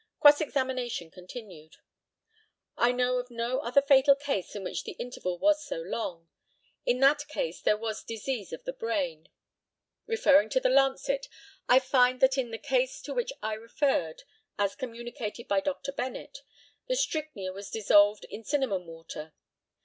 Cross examination continued: I know of no other fatal case in which the interval was so long. In that case there was disease of the brain. Referring to the Lancet, I find that in the case to which I referred, as communicated by Dr. Bennett, the strychnia was dissolved in cinnamon water.